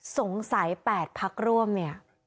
สงสัย๘พักร่วมเนี่ย